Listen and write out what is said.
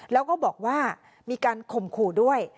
แล้วก็บอกว่ามีการข่มขู่ด้วย